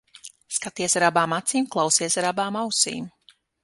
Skaties ar abām acīm, klausies ar abām ausīm.